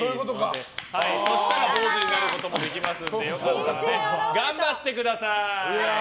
そうしたら坊主になることもできますのでよかったら頑張ってください！